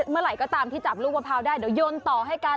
เมื่อไหร่ก็ตามที่จับลูกมะพร้าวได้เดี๋ยวโยนต่อให้กัน